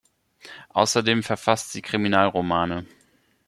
Außerdem verfasst sie Kriminalromane.